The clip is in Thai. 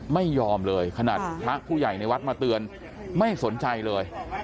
ไม่ยอมเลยขนาดพระผู้ใหญ่ในวัดมาเตือนไม่สนใจเลย